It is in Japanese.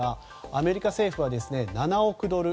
アメリカ政府は７億ドル